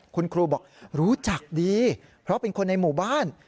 คุณครูบอกรู้จักดีเพราะเป็นคนในหมู่บ้าน